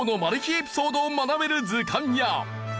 エピソードを学べる図鑑や。